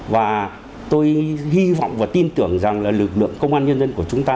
và tôi hy vọng và tin tưởng rằng là lực lượng công an nhân dân của chúng ta